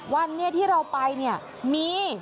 วันนี้ที่เราไปมี